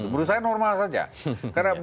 menurut saya normal saja karena